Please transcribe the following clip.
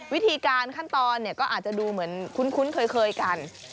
วิธีการขั้นตอนเนี่ยก็อาจจะดูเหมือนคุ้นเคยกัน